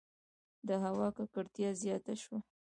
• د هوا ککړتیا زیاته شوه.